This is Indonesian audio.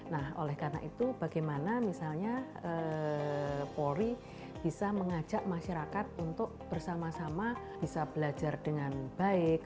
nah oleh karena itu bagaimana misalnya polri bisa mengajak masyarakat untuk bersama sama bisa belajar dengan baik